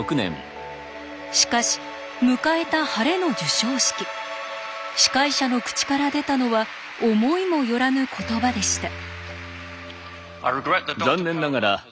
しかし迎えたハレの授賞式司会者の口から出たのは思いも寄らぬ言葉でした。